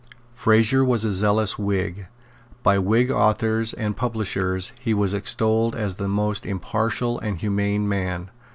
Fraser was a zealous Whig. By Whig authors and publishers he was extolled as a most impartial and humane man.